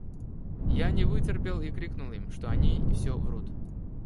Я не вытерпел и крикнул им, что они всё врут.